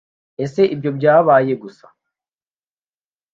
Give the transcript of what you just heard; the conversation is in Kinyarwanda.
ese ibyo byabaye gusa